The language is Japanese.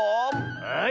はい。